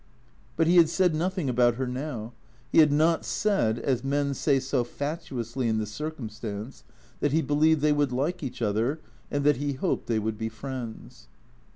But he had said nothing about her now. He had not said, as men say so fatuously in this circumstance, that he believed THECEEATORS 89 they would like each other and that he hoped they would be friends.